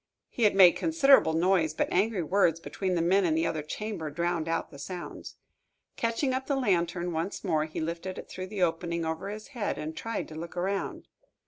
He had made considerable noise, but angry words between the men in the other chamber drowned out the sounds. Catching up the lantern once more, he lifted it through the opening over his head, and tried to look around.